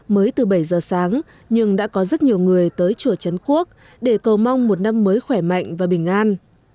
mới từ bảy giờ sáng nhưng đã có rất nhiều người tới chùa trấn quốc để cầu mong một năm mới khỏe mạnh và bình an